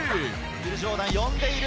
ウィル・ジョーダン、呼んでいる。